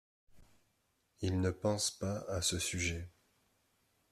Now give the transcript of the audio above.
Ils ne pensent pas à ce sujet.